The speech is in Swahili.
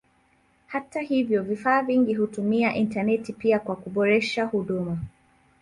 Hata hivyo vifaa vingi hutumia intaneti pia kwa kuboresha huduma.